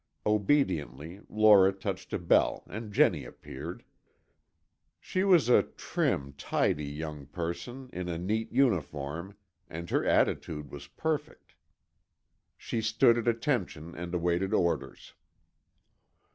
Obediently, Lora touched a bell and Jennie appeared. She was a trim, tidy young person, in a neat uniform, and her attitude was perfect. She stood at attention and awaited orders.